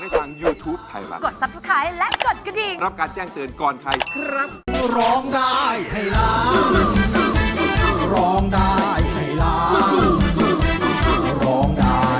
ได้ให้ร้องได้ให้ร้อง